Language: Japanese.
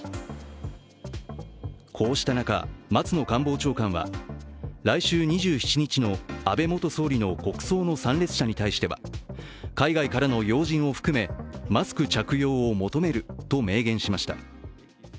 こうした中、松野官房長官は、来週２７日の安倍元総理の国葬の参列者に対しては海外からの要人を含めマスク着用を求めると明言しました。